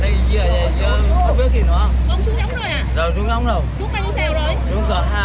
hết nhiêu tiền giống rồi